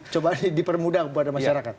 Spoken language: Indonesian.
coba dipermudah buat masyarakat